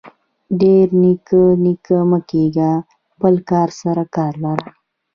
ډير نيکه نيکه مه کيږه خپل کار سره کار لره.